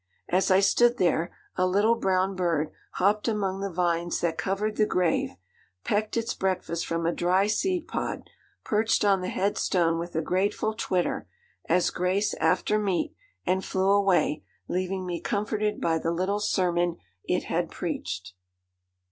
As I stood there a little brown bird hopped among the vines that covered the grave, pecked its breakfast from a dry seed pod, perched on the head stone with a grateful twitter, as grace after meat, and flew away, leaving me comforted by the little sermon it had preached.'